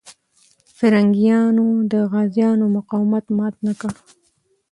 پرنګیانو د غازيانو مقاومت مات نه کړ.